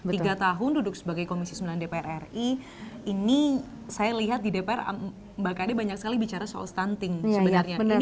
tiga tahun duduk sebagai komisi sembilan dpr ri ini saya lihat di dpr mbak kade banyak sekali bicara soal stunting sebenarnya